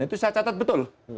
itu saya catat betul